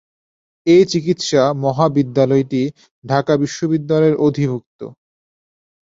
এ চিকিৎসা মহাবিদ্যালয়টি ঢাকা বিশ্ববিদ্যালয়ের অধিভুক্ত।